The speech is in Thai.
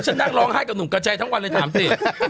นั่งร้องไห้กับหนุ่มกระชัยทั้งวันเลยถามสิ